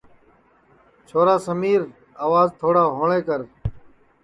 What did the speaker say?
چھورا سمیر آواج تھوڑا ہوݪے کر